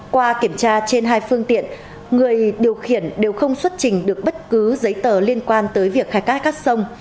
qua kiểm tra trên hai phương tiện người điều khiển đều không xuất trình được bất cứ giấy tờ liên quan tới việc khai thác các sông